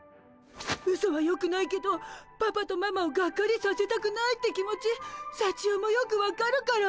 ウソはよくないけどパパとママをがっかりさせたくないって気持ちさちよもよく分かるから。